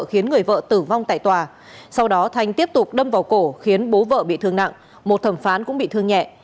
khiến người vợ tử vong tại tòa sau đó thanh tiếp tục đâm vào cổ khiến bố vợ bị thương nặng một thẩm phán cũng bị thương nhẹ